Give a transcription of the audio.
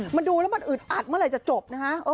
มันดูแล้วมันอึดอัดเมื่อไหร่จะจบนะฮะ